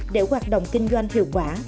để hoạt động kinh doanh hiệu quả